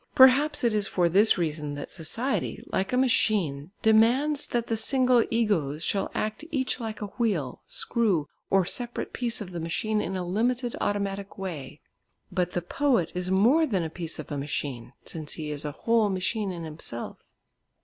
Perhaps it is for this reason that society, like a machine, demands that the single "egos" shall act each like a wheel, screw, or separate piece of the machine in a limited automatic way. But the poet is more than a piece of a machine, since he is a whole machine in himself.